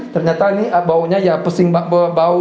ternyata ini baunya ya pesing bau